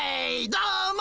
どうも！